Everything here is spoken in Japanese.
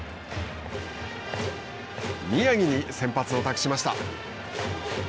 宮城に先発を託しました。